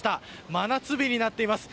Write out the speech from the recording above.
真夏日になっています。